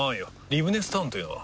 リブネスタウンというのは？